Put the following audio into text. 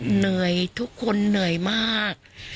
เหนื่อยทุกคนเหนื่อยมาก